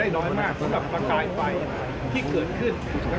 ด้านของนายนัทจับใจรองอธิบดิกรมเจ้าท่าก็เปิดเผยบอกว่า